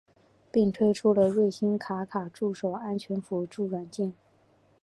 并推出了瑞星卡卡助手安全辅助软件。